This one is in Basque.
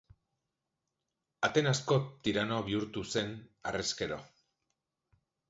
Atenasko tirano bihurtu zen harrezkero.